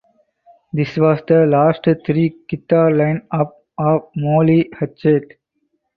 This was the last three guitar line up of Molly Hatchet.